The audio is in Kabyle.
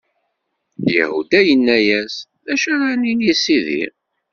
Yahuda yenna-yas: D acu ara nini i sidi?